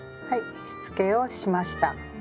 はいしつけをしました。